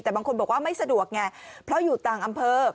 แต่บางคนบอกว่าไม่สะดวกไงเพราะอยู่ต่างอำเภอ